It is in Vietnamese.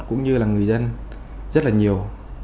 cũng như là người dân rất là nhiều